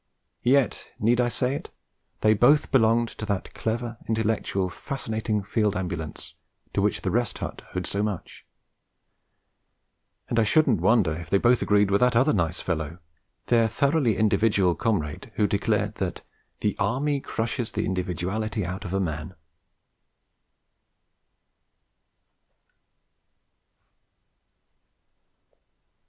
Yet, need I say it? they both belonged to that clever, intellectual, fascinating Field Ambulance to which the Rest Hut owed so much; and I shouldn't wonder if they both agreed with that other nice fellow, their thoroughly individual comrade who declared that 'the Army crushes the individuality out of a man!'